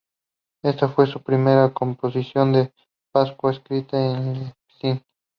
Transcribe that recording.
Esta fue su primera composición para Pascua escrita en Leipzig.